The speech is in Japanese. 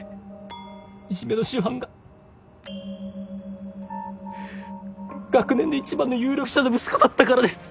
いじめの主犯が学年で一番の有力者の息子だったからです。